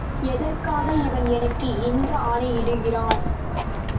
எதற்காக இவன் எனக்கு இந்த ஆணையிடுகிறான்?